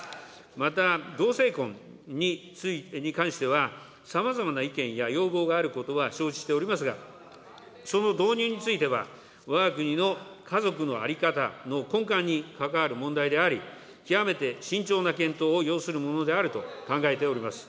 また同性婚に関しては、さまざまな意見や要望があることは承知しておりますが、その導入については、わが国の家族の在り方の根幹に関わる問題であり、極めて慎重な検討を要するものであると考えております。